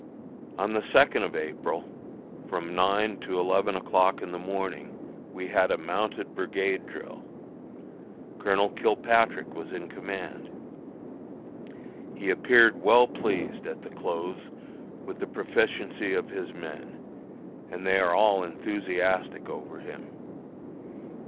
On the second of April, from nine to eleven o'clock in the morning, we had a mounted brigade drill. Colonel Kilpatrick was in command. He appeared well pleased, at the close, with the proficiency of his men, and they are all enthusiastic over him.